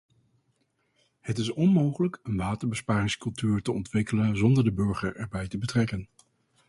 Het is onmogelijk een waterbesparingscultuur te ontwikkelen zonder de burger erbij te betrekken.